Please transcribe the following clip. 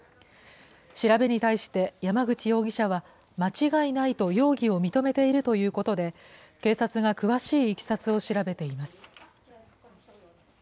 調べに対して山口容疑者は、間違いないと容疑を認めているということで、警察が詳しいいきさつを調べています。